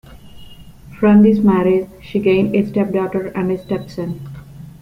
From this marriage she gained a stepdaughter and a stepson.